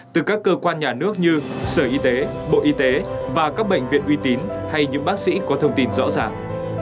từ các cơ quan nhà nước như sở y tế bộ y tế và các bệnh viện uy tín hay những bác sĩ có thông tin rõ ràng